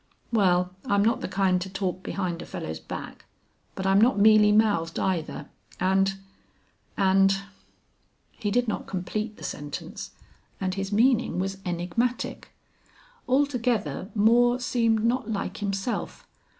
"Well, I'm not the kind to talk behind a fellow's back. But I'm not mealy mouthed, either, and and " He did not complete the sentence and his meaning was enigmatic. Altogether Moore seemed not like himself.